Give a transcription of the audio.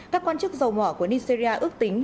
các quan chức dầu mỏ của nigeria ước tính